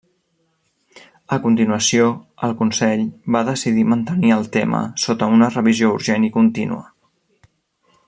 A continuació, el Consell va decidir mantenir el tema sota una revisió urgent i contínua.